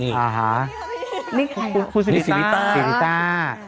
นี่ใครครับคุณสิริตา